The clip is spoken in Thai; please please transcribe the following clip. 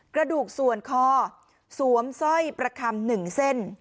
กระดูกส่วนคอสวมสร้อยประคำ๑เส้น